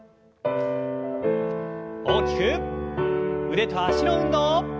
腕と脚の運動。